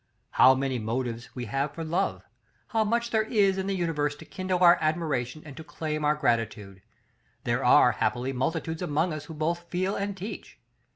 How many motives we have for Love, how much there is in the universe to kindle our admiration and to claim our gratitude, there are, happily, multitudes among us who both feel and teach.